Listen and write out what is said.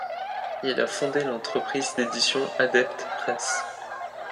Il a fondé l'entreprise d'édition Adept press.